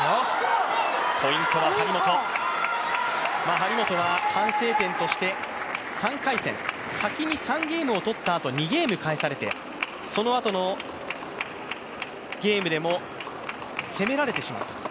張本は反省点として３回戦、先に３ゲームを取ったあと２ゲーム返されて、そのあとのゲームでも攻められてしまった。